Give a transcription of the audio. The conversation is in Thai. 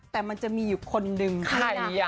แต่มันจะมีคนหนึ่งขอในเรื่อง